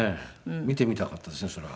見てみたかったですねそれは。